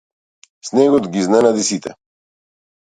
Снегот ги изненади сите.